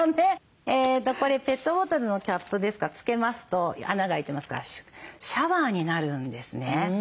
これペットボトルのキャップですが付けますと穴が開いてますからシャワーになるんですね。